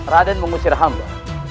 raden mengusir hamba